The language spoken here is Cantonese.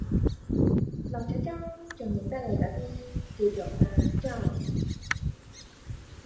落咗妝仲認得你嗰啲，叫做化妝